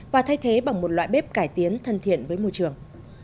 và thay thế bằng một loại bếp cải tiến thân thiện với môi trường